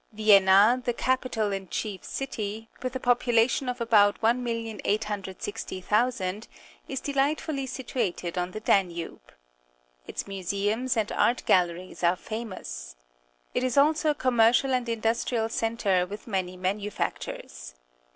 — Vienna, the capital and chief city, with a population of about 1,860,000, is delightfully situated on the Danube. Its museums and art galleries are famous. It is also a commercial and in dustrial centre with many manufactures.